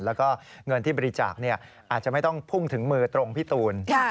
แล้วก็เงินที่บริจาคอาจจะไม่ต้องพุ่งถึงมือตรงพี่ตูน